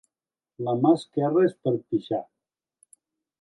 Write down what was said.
La mà esquerra és per pixar.